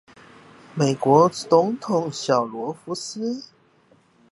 美國總統小羅斯福